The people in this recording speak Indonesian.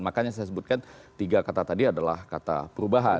makanya saya sebutkan tiga kata tadi adalah kata perubahan